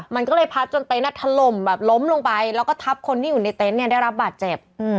มันก็เลยพัดจนเต็นต์ถล่มแบบล้มลงไปแล้วก็ทับคนที่อยู่ในเต็นต์เนี่ยได้รับบาดเจ็บ